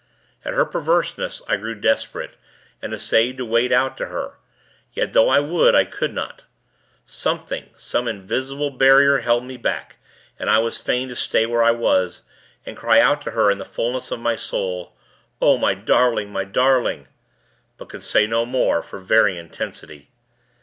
"At her perverseness, I grew desperate, and essayed to wade out to her; yet, though I would, I could not. Something, some invisible barrier, held me back, and I was fain to stay where I was, and cry out to her in the fullness of my soul, 'O, my Darling, my Darling ' but could say no more, for very intensity.